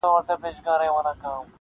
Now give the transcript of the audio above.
ورته ښکاري ځان له نورو چي ښاغلی,